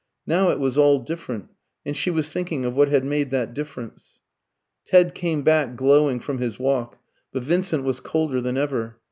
Now it was all different, and she was thinking of what had made that difference. Ted came back glowing from his walk; but Vincent was colder than ever.